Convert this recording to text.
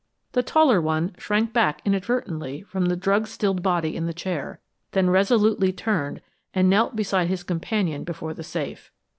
The taller one shrank back inadvertently from the drug stilled body in the chair, then resolutely turned and knelt beside his companion before the safe.